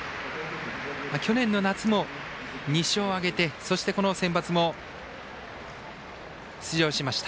去年の夏も２勝を挙げてそしてこのセンバツも出場しました。